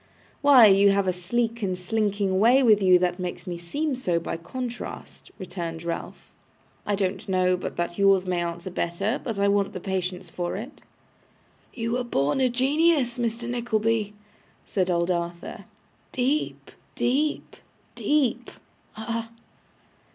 'Why, you have a sleek and slinking way with you that makes me seem so by contrast,' returned Ralph. 'I don't know but that yours may answer better, but I want the patience for it.' 'You were born a genius, Mr. Nickleby,' said old Arthur. 'Deep, deep, deep. Ah!